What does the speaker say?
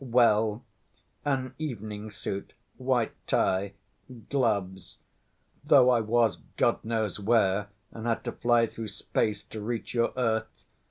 Well, an evening suit, white tie, gloves, though I was God knows where and had to fly through space to reach your earth....